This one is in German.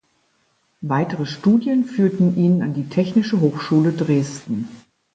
Weitere Studien führten ihn an die Technische Hochschule Dresden.